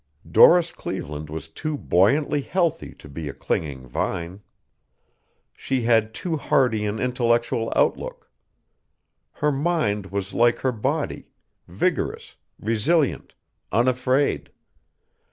Doris Cleveland was too buoyantly healthy to be a clinging vine. She had too hardy an intellectual outlook. Her mind was like her body, vigorous, resilient, unafraid.